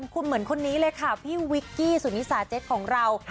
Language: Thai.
คุณเหมือนคนนี้เลยค่ะพี่วิกกี้สุนิสาเจ๊กของเรา